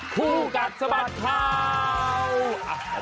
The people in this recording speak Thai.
คู่กัดสะบัดข่าว